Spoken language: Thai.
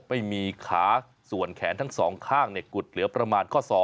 ไม่มีขาส่วนแขนทั้งสองข้างกุดเหลือประมาณข้อ๒